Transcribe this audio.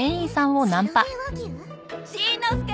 しんのすけ！